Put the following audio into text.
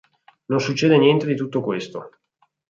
Non succede niente di tutto questo.